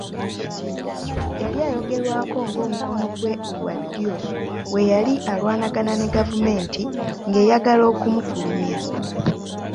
Yali ayogerwako ng’omukono gwe gwa ddyo we yali alwanagana ne gavumenti ng’eyagala okumufulumya.